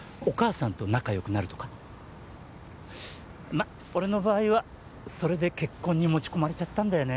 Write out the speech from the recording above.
まあ俺の場合はそれで結婚に持ち込まれちゃったんだよね。